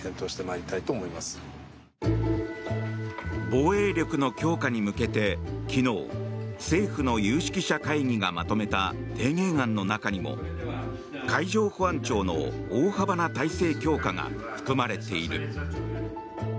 防衛力の強化に向けて昨日政府の有識者会議がまとめた提言案の中にも海上保安庁の大幅な体制強化が含まれている。